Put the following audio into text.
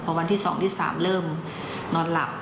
พอวันที่๒ที่๓เริ่มนอนหลับ